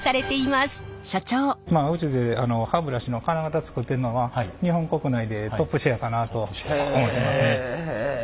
まあうちで歯ブラシの金型作ってるのは日本国内でトップシェアかなと思ってますね。